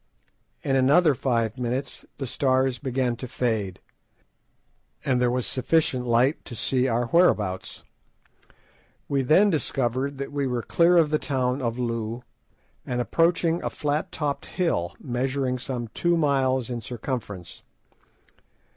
In another five minutes the stars began to fade, and there was sufficient light to see our whereabouts. We then discovered that we were clear of the town of Loo, and approaching a large flat topped hill, measuring some two miles in circumference.